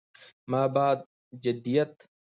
ما بعد جديديت